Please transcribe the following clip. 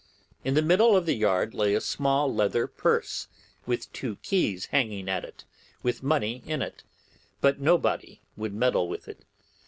In the middle of the yard lay a small leather purse with two keys hanging at it, with money in it, but nobody would meddle with it.